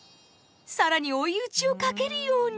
更に追い打ちをかけるように。